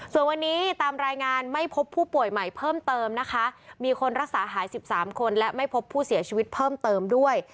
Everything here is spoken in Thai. ส่วนวันนี้ตามรายงานไม่พบผู้ป่วยใหม่เพิ่มเติมนะคะมีคนรักษาหาย๑๓คนและไม่พบผู้เสียชีวิตเพิ่มเติมด้วย